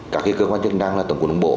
các cơ quan chức năng là tổng cục đồng bộ